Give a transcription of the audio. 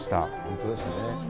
本当ですね。